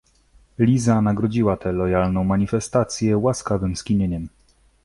Liza nagrodziła tę lojalną manifestację łaskawym skinieniem.